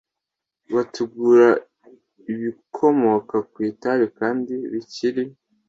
Bategura ibikomoka ku itabi kandi bikiri